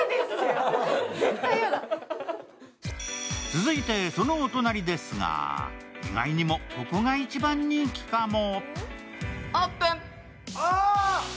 続いて、そのお隣ですが意外にもここが一番人気かも。